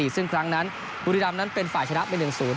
ซึ่งครั้งนั้นบุรีรำนั้นเป็นฝ่ายชนะไป๑๐